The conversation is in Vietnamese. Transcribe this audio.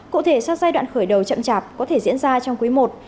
cụ thể sau giai đoạn khởi đầu chậm chạp có thể diễn ra trong cuối một